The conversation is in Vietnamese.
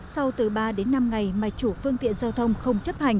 sau từ ba đến năm ngày mà chủ phương tiện giao thông không có